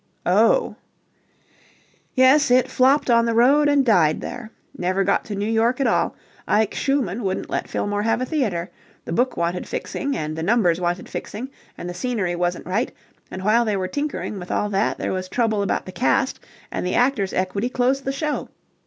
"Oh!" "Yes. It flopped on the road and died there. Never got to New York at all. Ike Schumann wouldn't let Fillmore have a theatre. The book wanted fixing and the numbers wanted fixing and the scenery wasn't right: and while they were tinkering with all that there was trouble about the cast and the Actors Equity closed the show.